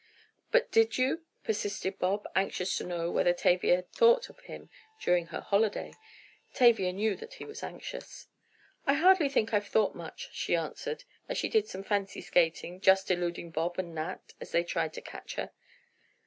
"But did you?" persisted Bob, anxious to know whether Tavia had thought of him during her holiday. Tavia knew that he was anxious. "I hardly think I've thought much," she answered, as she did some fancy skating, just eluding Bob and Nat as they tried to catch her.